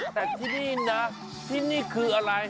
แต่ที่นี่นะที่นี่คืออะไร